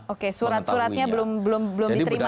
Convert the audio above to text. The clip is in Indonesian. oke surat suratnya belum diterima